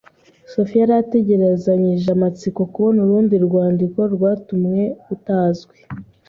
Sophie yari ategerezanyije amatsiko kubona urundi rwandiko rwatumwe utazwi.